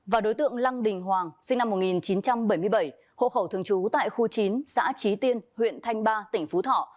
và đối tượng lăng đình hoàng sinh năm một nghìn chín trăm bảy mươi bảy hộ khẩu thường trú tại khu chín xã trí tiên huyện thanh ba tỉnh phú thỏ